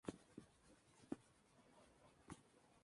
Louis y Dallas; Minneapolis, Kansas City y San Francisco.